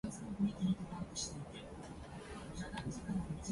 横に目をやると、僕の隣にいた君がいなかった。君は生垣の端に駆けていた。